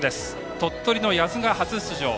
鳥取の八頭が初出場。